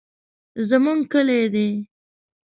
زمونږ کلي دي.